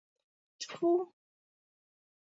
Тьфу-у...